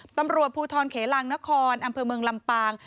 ตำรวจภูทรเขลางนครอำเภอเมืองลำปาง